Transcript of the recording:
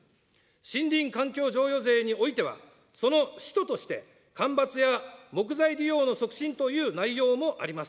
森林環境譲与税においては、その使途として、干ばつや木材利用の促進という内容もあります。